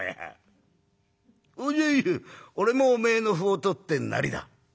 じゃあいい俺もおめえの歩を取って成りだ」。